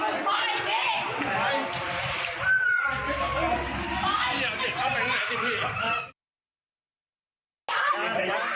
ครับที